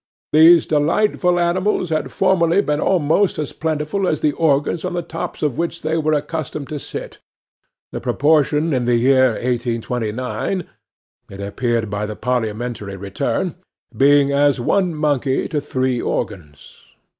These delightful animals had formerly been almost as plentiful as the organs on the tops of which they were accustomed to sit; the proportion in the year 1829 (it appeared by the parliamentary return) being as one monkey to three organs.